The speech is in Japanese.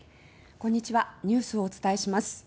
こんにちはニュースをお伝えします。